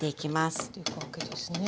あいっていくわけですね。